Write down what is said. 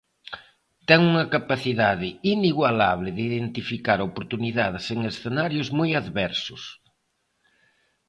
Ten unha capacidade inigualable de identificar oportunidades en escenarios moi adversos.